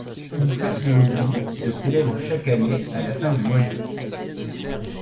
Ou fête de l'oubli, se célèbre chaque année à la fin du mois d'août.